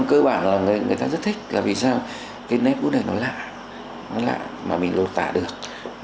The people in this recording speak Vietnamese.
cơ bản là người ta rất thích là vì sao cái nét cũ này nó lạ nó lại mà mình lột tả được